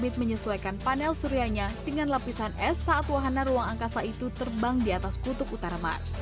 tiga galaksi ini terletak di dalam galaksi yang berdekatan